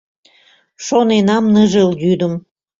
Шоненам ныжыл йӱдым.